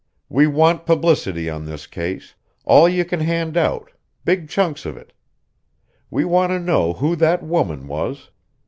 We want publicity on this case all you can hand out big chunks of it. We want to know who that woman was.